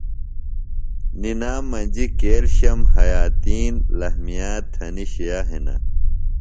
نِنام مجیۡ کییلشم، حیاتین، لحمیات تھنیۡ شئے ہِنہ۔